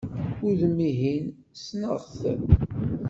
Udem-ihin, ssneɣ-t!